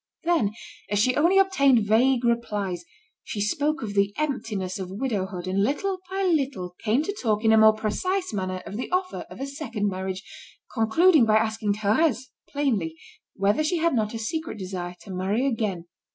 Then, as she only obtained vague replies, she spoke of the emptiness of widowhood, and little by little came to talk in a more precise manner of the offer of a second marriage, concluding by asking Thérèse, plainly, whether she had not a secret desire to marry again.